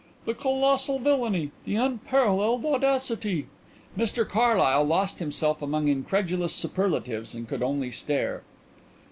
The colossal villainy, the unparalleled audacity!" Mr Carlyle lost himself among incredulous superlatives and could only stare.